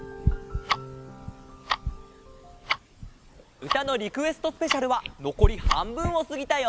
うたのリクエストスペシャルはのこりはんぶんをすぎたよ！